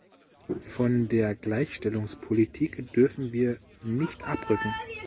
Von der Gleichstellungspolitik dürfen wir nicht abrücken.